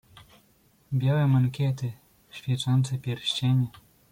"Białe mankiety, świecące pierścienie."